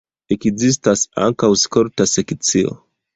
Ekzistas ankaŭ skolta sekcio.